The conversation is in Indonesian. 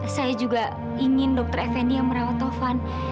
saya juga ingin dokter fnd yang merawat taufan